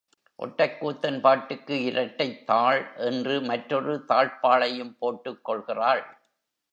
ஒட்டக்கூத்தன் பாட்டுக்கு இரட்டைத் தாழ் என்று மற்றொரு தாழ்ப்பாளையும் போட்டுக் கொள்கிறாள்.